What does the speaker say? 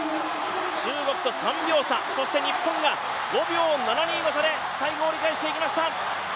中国と３秒差、そして日本が５秒７２の差で最後、折り返していきました。